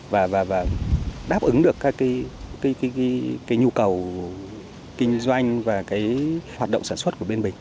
và đáp ứng được các cái nhu cầu kinh doanh và cái hoạt động sản xuất của bên mình